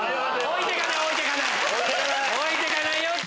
置いてかないよ！